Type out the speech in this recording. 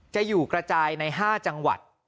จะอยู่กระจายใน๕จังหวัด